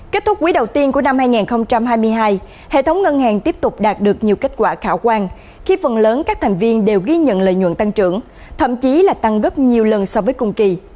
kết thúc quý đầu tiên của năm hai nghìn hai mươi hai hệ thống ngân hàng tiếp tục đạt được nhiều kết quả khả quan khi phần lớn các thành viên đều ghi nhận lợi nhuận tăng trưởng thậm chí là tăng gấp nhiều lần so với cùng kỳ